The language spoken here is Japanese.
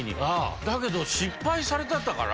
だけど失敗されてたから。